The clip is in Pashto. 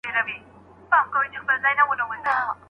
آیا مېوې تر خوږو شیانو ښې دي؟